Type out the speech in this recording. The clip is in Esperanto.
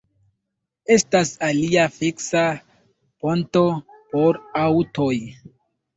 Estas alia fiksa ponto por aŭtoj.